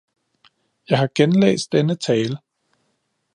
Jeg har genlæst denne tale.